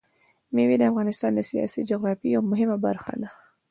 مېوې د افغانستان د سیاسي جغرافیه یوه مهمه برخه ده.